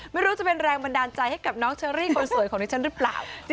ไม่รู้จะเป็นแรงบันดาลใจให้กับน้องเชอรี่คนสวยของดิฉันหรือเปล่า